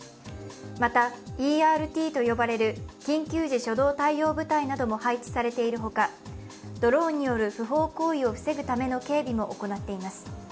また、ＥＲＴと呼ばれる緊急時初動対応部隊なども配置されているほか、ドローンによる不法行為を防ぐための警備も行っています。